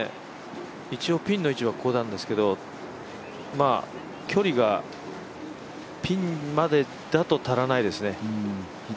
ピンの位置はここなんですけど距離がピンまでだと足らないですね。